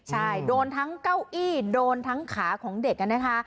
ใช่โดนทั้งเก้าอี้โดนทั้งขาของเด็กนะคะ